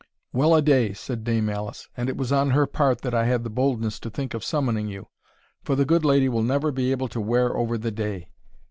"Well a day!" said Dame Alice, "and it was on her part that I had the boldness to think of summoning you, for the good lady will never be able to wear over the day!